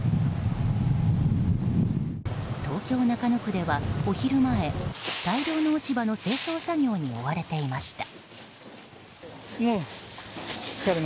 東京・中野区では、お昼前大量の落ち葉の清掃作業に追われていました。